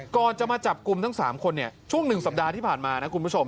ก่อนจะมาจับกลุ่มทั้ง๓คนช่วง๑สัปดาห์ที่ผ่านมานะคุณผู้ชม